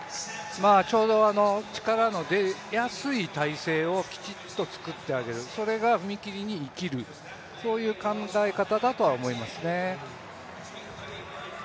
ちょうど力の出やすい体勢をきちっと作ってあげるそれが踏み切りに生きる、そういう考え方だとは思いますね。